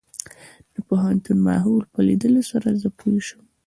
د پوهنتون ماحول په ليدلو سره زه پوه شوم.